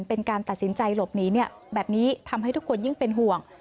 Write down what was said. เป็นการตัดสินใจหลบหนีแบบนี้ทำให้ทุกคนยิ่งเป็นห่วง